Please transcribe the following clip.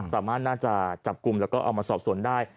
น่าจะจับกลุ่มแล้วก็เอามาสอบสวนได้